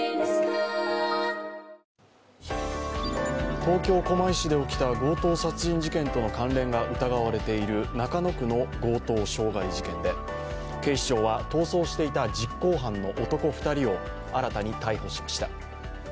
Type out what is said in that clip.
東京・狛江市で起きた強盗殺人事件との関連が疑われている中野区の強盗傷害事件で、警視庁は逃走していた実行犯の男２人を新たに逮捕しました。